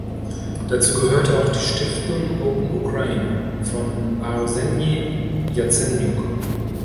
Dazu gehörte auch die Stiftung "Open Ukraine" von Arsenij Jazenjuk.